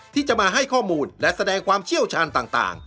ที่จะมาให้ข้อมูลและแสดงความเชี่ยวชาญต่าง